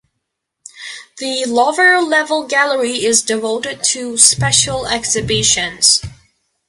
The lower level gallery is devoted to special exhibitions.